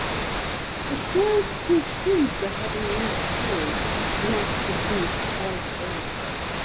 His parents pull strings to have him released early, much to Hugh's chagrin.